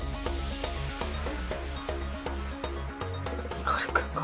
光君が？